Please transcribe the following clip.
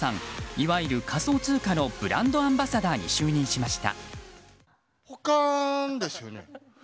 いわゆる仮想通貨のブランドアンバサダーに就任しました。